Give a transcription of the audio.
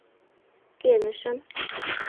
Кӧнышым.